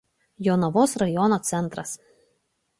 Jonavos rajono centras.